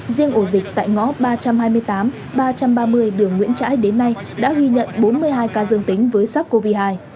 riêng ổ dịch tại ngõ ba trăm hai mươi tám ba trăm ba mươi đường nguyễn trãi đến nay đã ghi nhận bốn mươi hai ca dương tính với sars cov hai